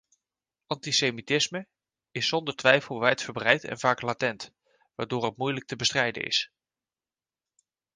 Antisemitisme is zonder twijfel wijdverbreid en vaak latent, waardoor het moeilijk te bestrijden is.